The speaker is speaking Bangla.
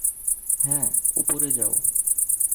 হ্যাঁ, ওপরে যাও।